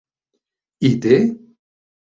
I té...?